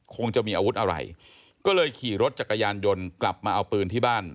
คงจะมีอาวุธอะไรก็เลยขี่รถจักรยานยนต์กลับมาเอาปืนที่บ้าน